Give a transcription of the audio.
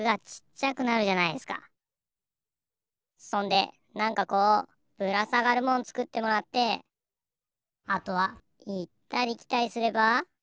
そんでなんかこうぶらさがるもんつくってもらってあとはいったりきたりすれば。